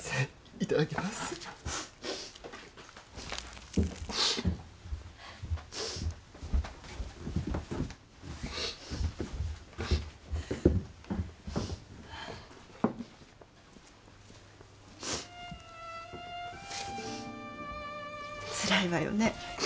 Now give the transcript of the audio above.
いただきますつらいわよね